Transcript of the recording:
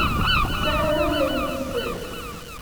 Ssarameɣ la iyi-d-tsell.